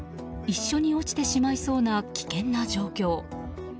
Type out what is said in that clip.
一緒に落ちてしまいそうな危険な状況。